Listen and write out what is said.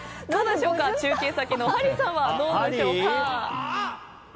中継先のハリーさんはどうでしょうか。